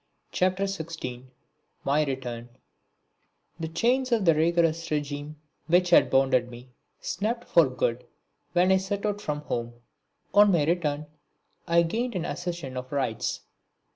PART IV (16) My Return The chains of the rigorous regime which had bound me snapped for good when I set out from home. On my return I gained an accession of rights.